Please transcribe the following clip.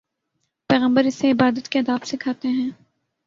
پیغمبر اسے عبادت کے آداب سکھاتے ہیں۔